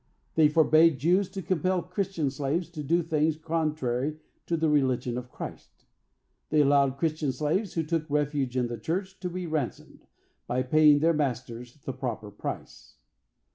They forbade Jews to compel Christian slaves to do things contrary to the religion of Christ. They allowed Christian slaves, who took refuge in the church, to be ransomed, by paying their masters the proper price.